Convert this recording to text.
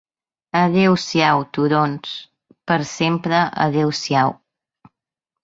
Adéu-siau, turons, per sempre adéu-siau